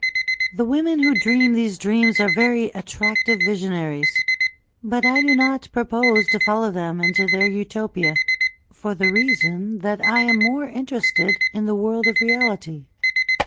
The women who dream these dreams are very attractive visionaries, but I do not propose to follow them into their Utopia, for the reason that I am more interested in the world of reality.